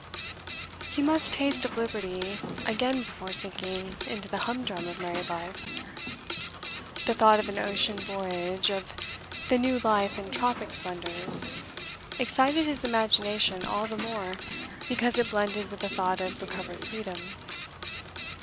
He must taste of liberty again before sinking into the humdrum of married life. The thought of an ocean voyage, of the new life amid tropic splendours, excited his imagination all the more because it blended with the thought of recovered freedom.